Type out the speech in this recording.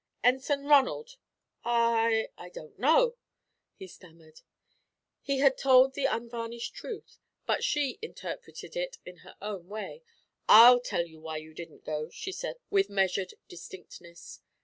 "Ensign Ronald!" "I I don't know," he stammered. He had told the unvarnished truth, but she interpreted it in her own way. "I'll tell you why you didn't go," she said, with measured distinctness.